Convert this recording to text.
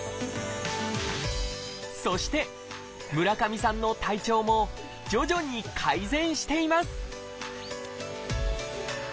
そして村上さんの体調も徐々に改善しています！